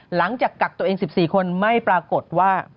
หลังจากกักตัวเอง๑๔คนไม่ปรากฏว่า